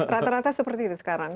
rata rata seperti itu sekarang